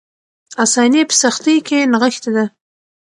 آساني په سختۍ کې نغښتې ده.